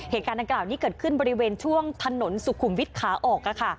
เหตุการณ์ดังกล่าวนี้เกิดขึ้นบริเวณช่วงถนนสุขุมวิทย์ขาออกค่ะ